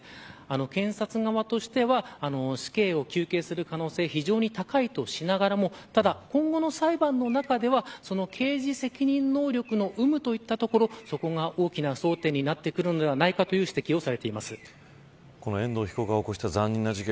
検察側としては死刑を求刑する可能性非常に高いとしながらもただ、今後の裁判の中では刑事責任能力の有無といったところそこが大きな争点になってくるのではないかという指摘を遠藤被告が起こった残忍な事件